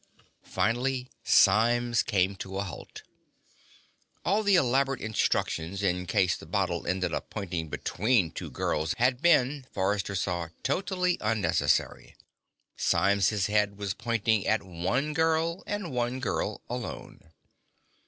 Finally, Symes came to a halt. All the elaborate instructions in case the Bottle ended up pointing between two girls had been, Forrester saw, totally unnecessary. Symes's head was pointing at one girl, and one girl alone.